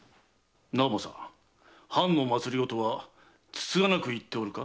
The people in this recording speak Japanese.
直正藩の政はつつがなくいっておるか？